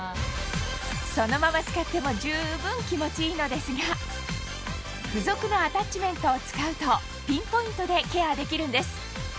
そのまま使っても十分気持ちいいのですが付属のアタッチメントを使うとピンポイントでケアできるんです